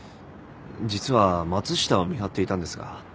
実は松下を見張っていたんですが。